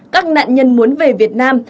các nạn nhân muốn về việt nam